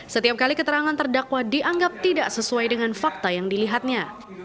setiap kali keterangan terdakwa dianggap tidak sesuai dengan fakta yang dilihatnya